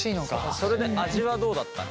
それで味はどうだったの？